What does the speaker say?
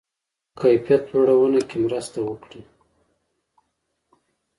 کیفیت لوړونه کې مرسته وکړي.